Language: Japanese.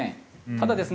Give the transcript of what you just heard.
ただですね